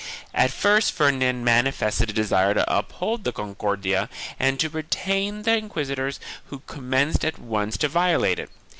At first Ferdinand manifested a desire to uphold the Con cordia and to restrain the inquisitors who commenced at once to violate it.